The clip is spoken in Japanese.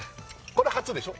これ初でしょ？